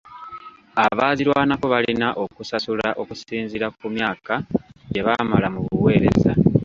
Abaazirwanako balina okusasulwa okusinziira ku myaka gye baamala mu buweereza.